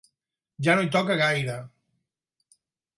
Ja no hi toca gaire.